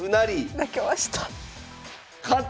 負けました。